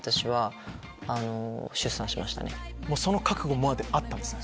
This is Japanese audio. その覚悟まであったんですか。